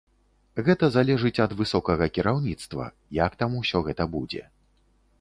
Гэта залежыць ад высокага кіраўніцтва, як там усё гэта будзе.